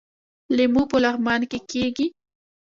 لیمو په لغمان کې کیږي